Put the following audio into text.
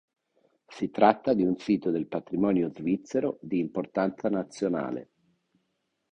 Si tratta di un sito del patrimonio svizzero di importanza nazionale.